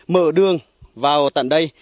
mở đường vào tận đây